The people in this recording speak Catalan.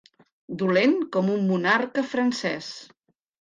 Dolent com un monarca francès.